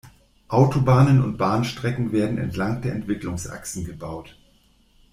Autobahnen und Bahnstrecken werden entlang der Entwicklungsachsen gebaut.